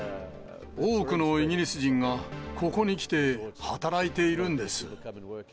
多くのイギリス人が、ここに来て、働いているんです。